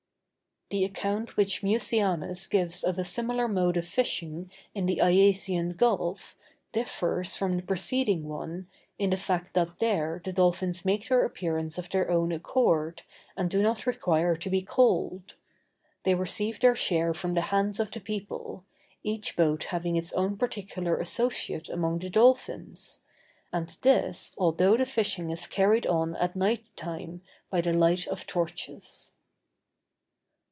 The account which Mucianus gives of a similar mode of fishing in the Iasian Gulf differs from the preceding one, in the fact that there the dolphins make their appearance of their own accord, and do not require to be called; they receive their share from the hands of the people, each boat having its own particular associate among the dolphins; and this, although the fishing is carried on at night time by the light of torches.